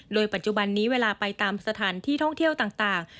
โดยปัจจุบันนี้เวลาไปตามสถานที่ท่องเที่ยวต่าง